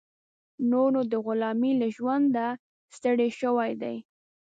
نور نو د غلامۍ له ژونده ستړی شوی دی.